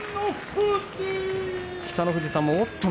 北の富士さんもおっ！